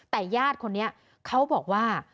แต่ญาติคนนี้เขาบอกว่า